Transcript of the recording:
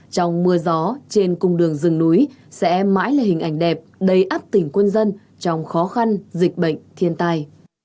trong mưa gió trên cung đường rừng núi sẽ mãi là hình ảnh đẹp đầy áp tỉnh quân dân trong khó khăn dịch bệnh thiên tai